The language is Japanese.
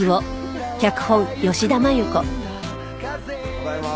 ただいま。